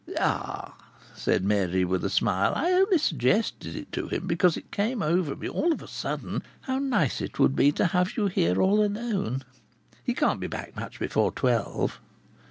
"Ah!" said Mary, with a smile. "I only suggested it to him because it came over me all of a sudden how nice it would be to have you here all alone! He can't be back much before twelve."